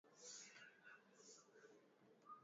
Jicho la Bi Kijicho limetoboka